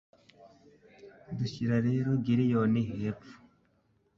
Dushyira rero Géryon hepfo